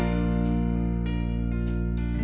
ขึ้นของเขานอนมา